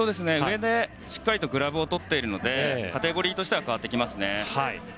上でしっかりとグラブを取っているのでカテゴリーとしては変わってきますね。